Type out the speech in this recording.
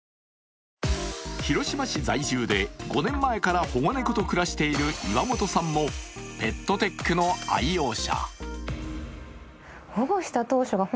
広島市在住で５年前から保護猫と暮らしている岩本さんもペットテックの愛用者。